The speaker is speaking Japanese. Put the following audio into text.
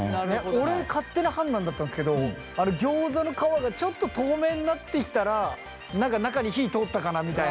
俺勝手な判断だったんすけどギョーザの皮がちょっと透明になってきたら何か中に火通ったかなみたいな。